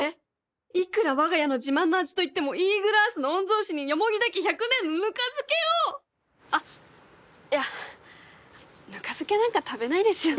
いくらわが家の自慢の味といってもイーグルアースの御曹司に田家１００年のぬか漬けを⁉あっいやぬか漬けなんか食べないですよね。